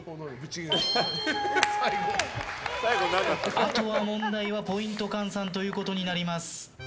あとは問題はポイント換算ということになります。